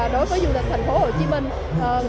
đối với du lịch thành phố hồ chí minh